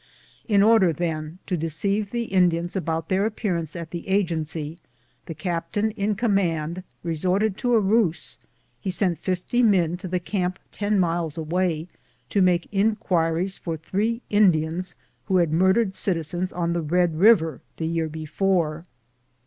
In order then to deceive as to the purport of their appearance at the Agency, the captain in command re sorted to a ruse. He sent fifty men to the camp ten miles away to make inquiries for three Indians who had murdered citizens on the Red River the year before.